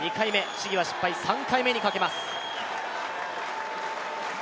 試技は３回目にかけます。